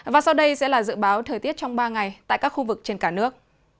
và sau đây sẽ là dự báo thời tiết trong ba ngày tại các khu vực trên cả nước